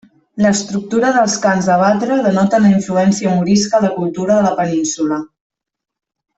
L’estructura dels cants de batre denoten la influència morisca a la cultura de la península.